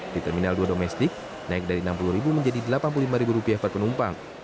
di terminal dua domestik naik dari rp enam puluh menjadi rp delapan puluh lima per penumpang